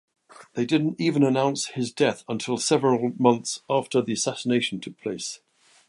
They didn't even announce his death until several months after the assassination took place.